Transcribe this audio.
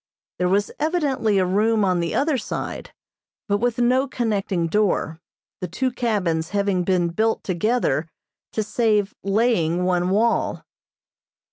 There was evidently a room on the other side, but with no connecting door, the two cabins having been built together to save laying one wall.